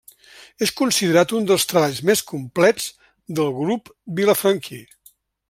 És considerat un dels treballs més complets del grup vilafranquí.